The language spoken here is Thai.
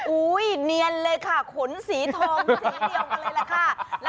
เนียนเลยค่ะขนสีทองสีเดียวกันเลยแหละค่ะ